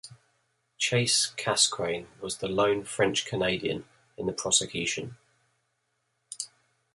Chase-Casgrain was the lone French-Canadian in the prosecution.